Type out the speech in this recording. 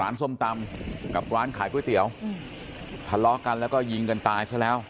ส้มตำกับร้านขายก๋วยเตี๋ยวทะเลาะกันแล้วก็ยิงกันตายซะแล้ว